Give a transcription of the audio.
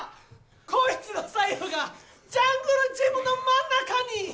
こいつの財布がジャングルジムの真ん中に！